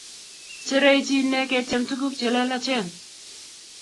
Chereichi inne ketiem tuguk che lelachen